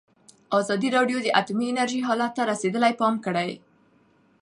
ازادي راډیو د اټومي انرژي حالت ته رسېدلي پام کړی.